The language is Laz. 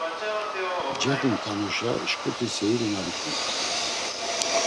Cexumt̆anuşa şǩuti seyiri na vikumt̆it.